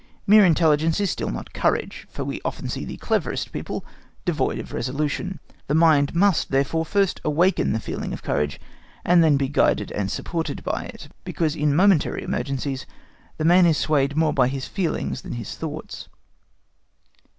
Mere intelligence is still not courage, for we often see the cleverest people devoid of resolution. The mind must, therefore, first awaken the feeling of courage, and then be guided and supported by it, because in momentary emergencies the man is swayed more by his feelings than his thoughts.